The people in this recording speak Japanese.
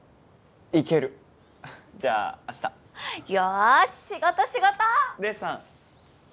行けるじゃあ明日よし仕事仕事黎さん